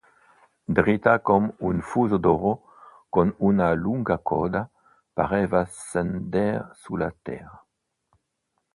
Dritta come un fuso d'oro, con una lunga coda, pareva scender sulla terra.